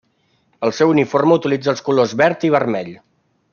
Al seu uniforme utilitza els colors verd i vermell.